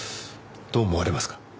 どう思われますか？